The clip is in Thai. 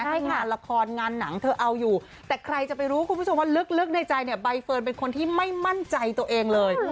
ให้งานละครงานหนังเธอเอาอยู่แต่ใครจะไปรู้คุณผู้ชมว่าลึกในใจเนี่ยใบเฟิร์นเป็นคนที่ไม่มั่นใจตัวเองเลย